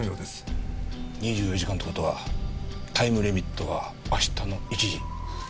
２４時間って事はタイムリミットは明日の１時。